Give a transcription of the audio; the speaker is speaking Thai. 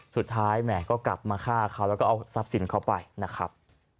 แหมก็กลับมาฆ่าเขาแล้วก็เอาทรัพย์สินเขาไปนะครับ